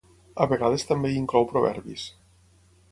A vegades també hi inclou proverbis.